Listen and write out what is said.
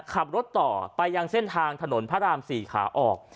ขับรถต่อไปยังเส้นทางถนนพระราม๔ขาออก